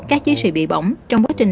các chiến sĩ bị bỏng trong quá trình